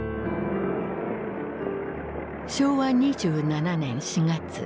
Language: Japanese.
昭和２７年４月。